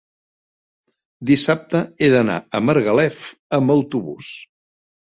dissabte he d'anar a Margalef amb autobús.